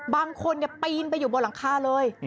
บางคนเนี่ยปีนไปอยู่บนหลังคาเลย